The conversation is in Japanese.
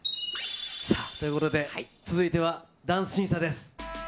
さあ、ということで、続いてはダンス審査です。